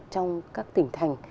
trong các tỉnh thành